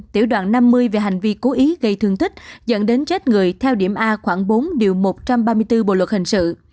tiểu đoàn năm mươi về hành vi cố ý gây thương tích dẫn đến chết người theo điểm a khoảng bốn điều một trăm ba mươi bốn bộ luật hình sự